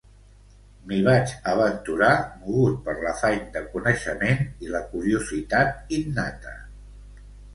M'hi vaig aventurar mogut per l'afany de coneixement i la curiositat innata.